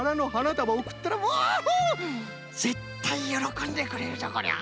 たばをおくったらぜったいよろこんでくれるぞこりゃ。